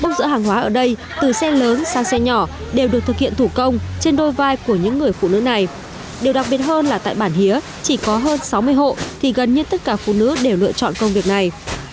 bốc rỡ hàng hóa ở đây từ xe lớn sang xe nhỏ đều được thực hiện thủ công trên đôi vai của những người phụ nữ này điều đặc biệt hơn là tại bản hía chỉ có hơn sáu mươi hộ thì gần như tất cả phụ nữ đều lựa chọn công việc này